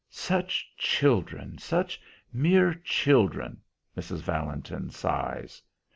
"Such children such mere children!" Mrs. Valentin sighs.